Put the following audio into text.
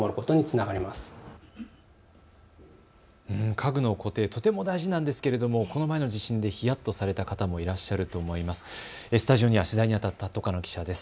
家具の固定、とても大事なんですけどこの前の地震でひやっとされた方もいらっしゃると思います。